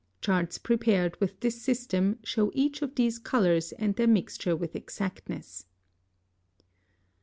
Charts prepared with this system show each of these colors and their mixture with exactness.